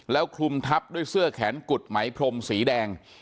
แล้วคลุมทับด้วยเสื้อแขนกุดไหมพรมสีแดง